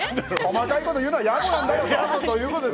細かいことを言うのは野暮なんだよと。